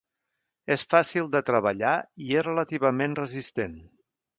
És fàcil de treballar i és relativament resistent.